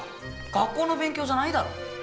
学校の勉強じゃないだろ。